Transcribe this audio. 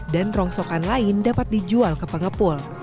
dan rongsokan lain dapat dijual ke pengepul